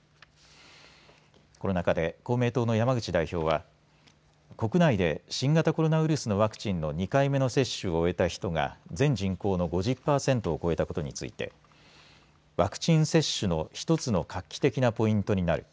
この中で公明党の山口代表は国内で新型コロナウイルスのワクチンの２回目の接種を終えた人が全人口の５０％を超えたことについてワクチン接種の１つの画期的なポイントになる。